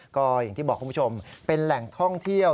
ก็อย่างที่บอกคุณผู้ชมเป็นแหล่งท่องเที่ยว